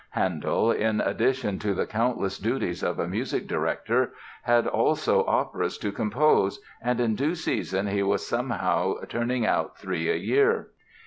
Handel, in addition to the countless duties of a music director had also operas to compose, and in due season he was somehow turning out three a year.